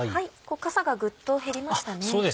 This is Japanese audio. かさがグッと減りましたね。